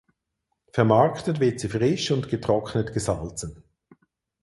Vermarktet wird sie frisch und getrocknet gesalzen.